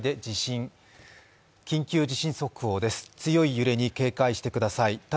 強い揺れに警戒してください。